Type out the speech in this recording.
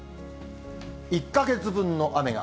１か月分の雨が？